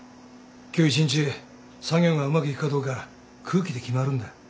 今日１日作業がうまくいくかどうか空気で決まるんだ。